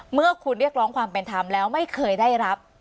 เมื่อคุณเรียกร้องความเป็นธรรมแล้วไม่เคยได้รับ